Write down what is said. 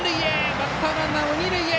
バッターランナーも二塁へ。